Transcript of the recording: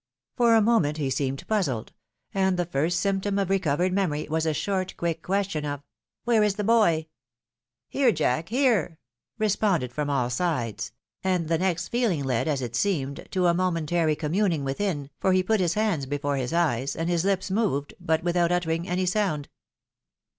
For a moment he seemed puzzled ; and the first symptom of recovered memory, was a short, quick, question of " Where is the boy?" " Here, Jack, here !" responded from all sides ; and the next feehng led, as it seemed, to a momentary communing within, for he put his hands before his eyes, and his hps moved, but without his uttering any sound.